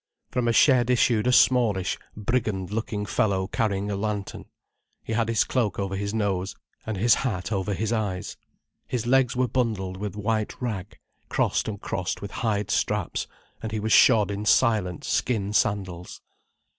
From a shed issued a smallish, brigand looking fellow carrying a lantern. He had his cloak over his nose and his hat over his eyes. His legs were bundled with white rag, crossed and crossed with hide straps, and he was shod in silent skin sandals.